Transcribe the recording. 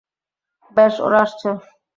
বেশ, ওরা আসছে।